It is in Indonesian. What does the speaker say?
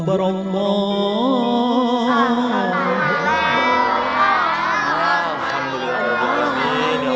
sekarang siap siap untuk sholat ke masjid ya